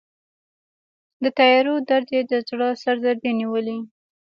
د تیارو درد یې د زړه سردې نیولی